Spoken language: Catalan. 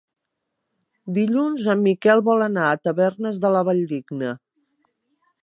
Dilluns en Miquel vol anar a Tavernes de la Valldigna.